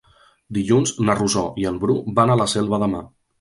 Dilluns na Rosó i en Bru van a la Selva de Mar.